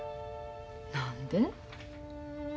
何で？